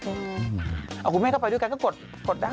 เอากุญแม่เข้าไปด้วยกันก็กดได้